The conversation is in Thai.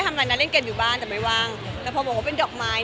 ก็ไม่ได้เซ็กซี่บางมายค่ะก็ก็น่ารักเขาดอกไม้ดี